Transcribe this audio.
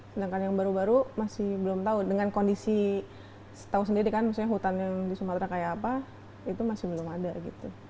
sedangkan yang baru baru masih belum tahu dengan kondisi tahu sendiri kan misalnya hutan yang di sumatera kayak apa itu masih belum ada gitu